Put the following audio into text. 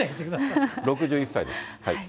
６１歳です。